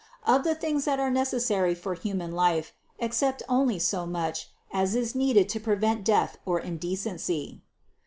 Of the things that are necessary for human life, accept only so much, as is needed to prevent death or indecency.